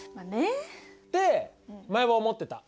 って前は思ってた。